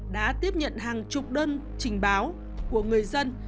đã tiếp nhận hàng chục đơn trình báo của người dân